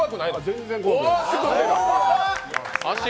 全然怖くない。